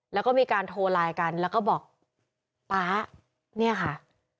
แล้วก็มีการโทรไลน์กันแล้วก็บอกป๊าเนี่ยค่ะ